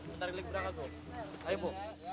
bentar lagi berangkat bu ayo bu